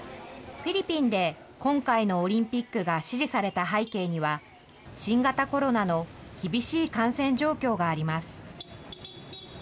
フィリピンで今回のオリンピックが支持された背景には、新型コロナの厳しい感染状況があります。